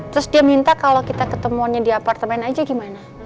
terus dia minta kalau kita ketemuannya di apartemen aja gimana